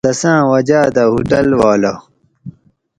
تساۤں وجاۤ دہ ہوٹل والا